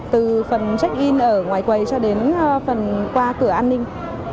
từ phần check in ở ngoài quầy cho đến phần qua cửa an ninh